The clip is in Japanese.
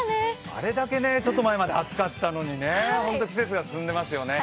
あれだけ暑かったのに季節が進んでますよね。